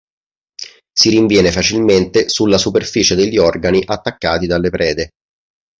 Si rinviene facilmente sulla superficie degli organi attaccati dalle prede.